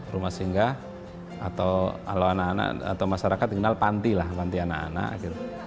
rumah singgah atau kalau anak anak atau masyarakat dikenal panti lah panti anak anak gitu